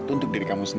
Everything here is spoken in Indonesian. ny entah diez